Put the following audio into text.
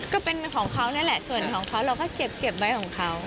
ก็เป็นของเขานั่นแหละส่วนของเขาเราก็เก็บไว้ของเขา